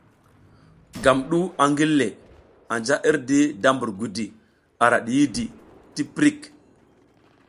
Gam du a ngille, anja irdi da mbur gudi ara diyidi ti pirik.